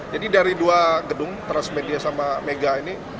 jadi dari dua gedung transmedia sama mega ini